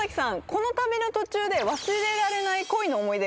この旅の途中で忘れられない恋の思い出があるんですよね？